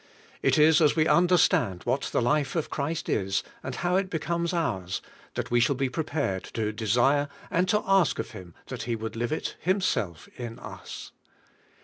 It is as we understand what the life of Christ is and how it becomes ours, that we shall be prepared to desire and to ask of Him that He would live it Himself in us.